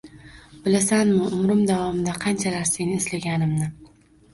- Bilasanmi, umrim davomida qanchalar seni izlaganimni?!